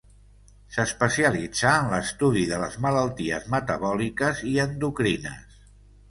S'especialitzà en l'estudi de les malalties metabòliques i endocrines.